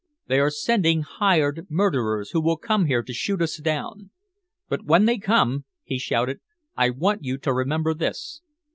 "They are sending hired murderers who will come here to shoot us down! But when they come," he shouted, "I want you to remember this!